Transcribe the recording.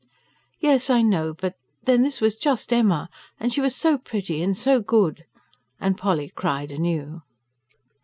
'" "Yes, I know. But then this was JUST Emma ... and she was so pretty and so good" and Polly cried anew.